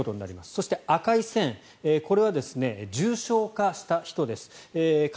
そして、赤い線これは重症化した人です。